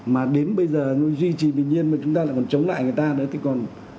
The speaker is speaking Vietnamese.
mà đến bây giờ nó duy trì bình nhiên mà chúng ta lại còn chống lại người ta nữa thì còn